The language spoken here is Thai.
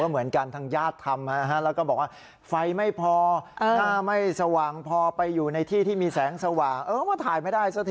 มันก็จะต้องอยู่ในวงกม